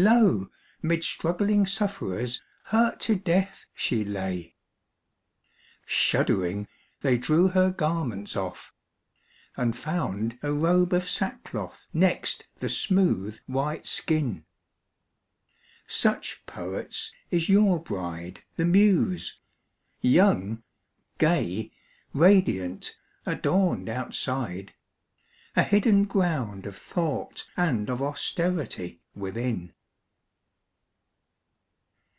Lo, Mid struggling sufferers, hurt to death, she lay! Shuddering, they drew her garments off and found A robe of sackcloth next the smooth, white skin. Such, poets, is your bride, the Muse! young, gay, Radiant, adorned outside; a hidden ground Of thought and of austerity within.